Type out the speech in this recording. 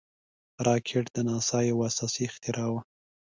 راکټ د ناسا یو اساسي اختراع وه